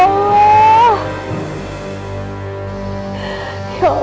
alhamdulillah ya allah